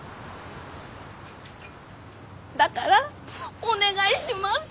だからお願いします！